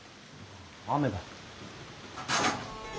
雨だ。